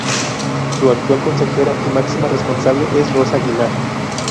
Su actual consejera y máxima responsable es Rosa Aguilar.